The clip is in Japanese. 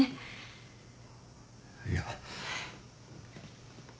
いや。